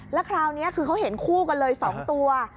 แล้วคราวนี้คือเขาเห็นคู่กันเลย๒ตัว